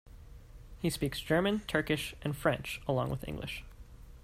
He speaks German, Turkish, and French along with English.